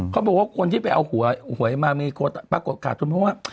เขาบอกว่าคนที่ไปเอาหวยมามีคนปรากฏขาดทุนเพราะว่า